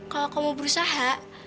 kalau kamu berusaha